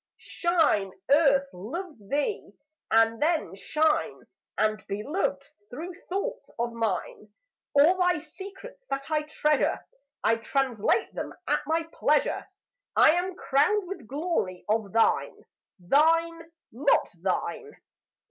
Shine, Earth loves thee! And then shine And be loved through thoughts of mine. All thy secrets that I treasure I translate them at my pleasure. I am crowned with glory of thine. Thine, not thine.